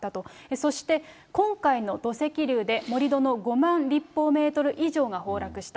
そして、今回の土石流で盛り土の５万立方メートル以上が崩落した。